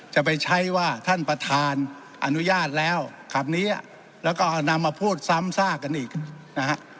จะไปใช้ว่าท่านประธานอนุญาตแล้วขับนี้แล้วก็นำมาพูดซ้ำซากกันอีกนะฮะ